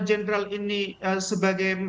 jenderal ini sebagai